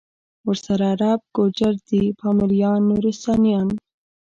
ورسره عرب، گوجر دی پامیریان، نورستانیان